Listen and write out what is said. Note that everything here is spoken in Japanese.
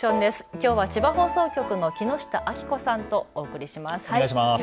きょうは千葉放送局の木下愛季子さんとお送りします。